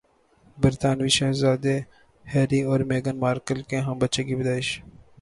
برطانوی شہزادے ہیری اور میگھن مارکل کے ہاں بچے کی پیدائش